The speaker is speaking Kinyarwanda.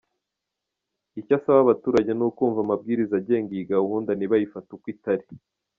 Icyo asaba abaturage ni ukumva amabwiriza agenga iyi gahunda ntibayifate uko itari.